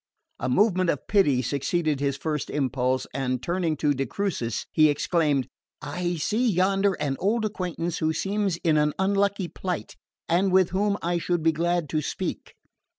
A movement of pity succeeded his first impulse, and turning to de Crucis he exclaimed: "I see yonder an old acquaintance who seems in an unlucky plight and with whom I should be glad to speak."